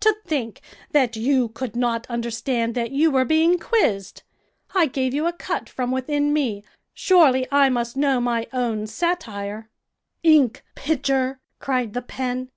To think that you could not understand that you were being quizzed. I gave you a cut from within me. Surely I must know my own satire." "Ink pitcher!" cried the pen.